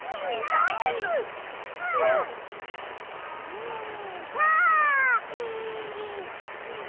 みたい！